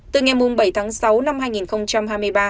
từ ngày bảy tháng sáu năm hai nghìn hai mươi ba